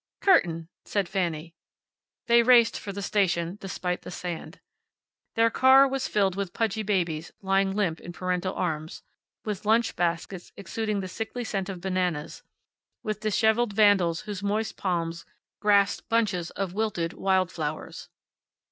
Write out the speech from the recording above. "Curtain," said Fanny. They raced for the station, despite the sand. Their car was filled with pudgy babies lying limp in parental arms; with lunch baskets exuding the sickly scent of bananas; with disheveled vandals whose moist palms grasped bunches of wilted wild flowers.